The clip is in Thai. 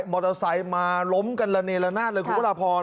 มอเตอร์ไซค์มาล้มกันระเนละนาดเลยคุณพระราพร